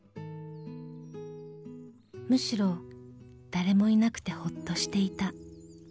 ［むしろ誰もいなくてホッとしていた］